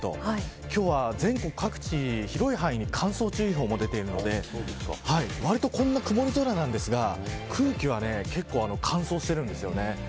今日は全国各地広い範囲に乾燥注意報も出ているのでわりと、こんな曇り空なんですが空気は結構乾燥しているんですよね。